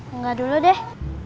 enggak dulu deh